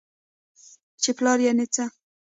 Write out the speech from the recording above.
چې پلار يعنې څه؟؟!